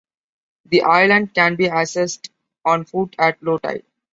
The island can be accessed on foot at low tide.